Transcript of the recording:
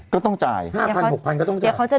ก็ต้องจ่าย๕๐๐๖๐๐ก็ต้องจ่าย